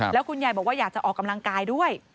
แล้วคุณยายบอกว่าอยากจะออกกำลังกายด้วย